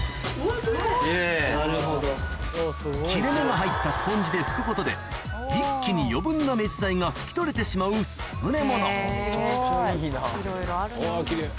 切れ目が入ったスポンジで拭くことで一気に余分な目地剤が拭き取れてしまう優れものめちゃくちゃいいな。